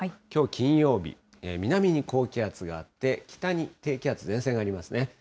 きょう金曜日、南に高気圧があって、北に低気圧、前線がありますね。